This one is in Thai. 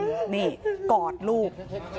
พี่น้องกอดให้กอดลูก